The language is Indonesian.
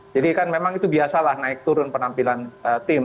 jadi kan memang itu biasalah naik turun penampilan tim